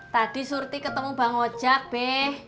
tadi surti ketemu bang ojak ben